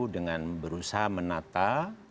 dengan berusaha menata